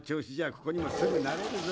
ここにもすぐなれるぞ。